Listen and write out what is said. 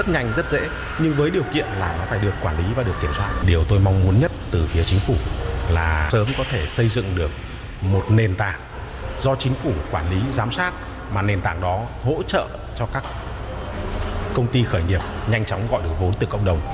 chính phủ quản lý giám sát mà nền tảng đó hỗ trợ cho các công ty khởi nghiệp nhanh chóng gọi được vốn từ cộng đồng